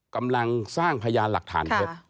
กำลังสร้างพยานหลักฐานเท็จ